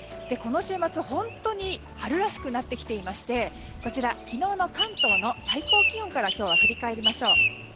この週末、本当に春らしくなってきていまして昨日の関東の最高気温から今日は振り返りましょう。